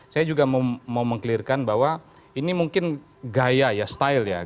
saya juga mau meng clearkan bahwa ini mungkin gaya ya style ya